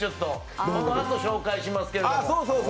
このあと紹介しますけれども。